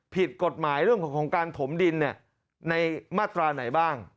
ผิดกฎหมายเรื่องของการถมดินในมาตราไหนบ้าง